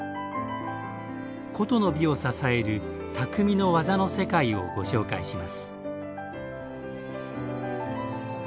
古都の美を支える「匠の技の世界」をご紹介します。